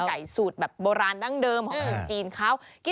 ความมันไก่สูตรแบบโบราณดั้งเดิมของทางจีนครับ